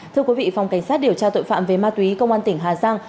thưa quý vị phòng cảnh sát điều tra tội phạm về ma túy công an tỉnh hà giang